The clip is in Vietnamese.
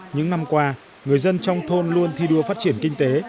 những năm qua người dân trong thôn luôn thi đua phát triển kinh tế